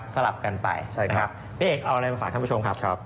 สลับกันไปพี่เอกเอาอะไรมาฝากคำผู้ชมครับ